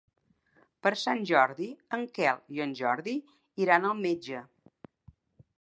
Per Sant Jordi en Quel i en Jordi iran al metge.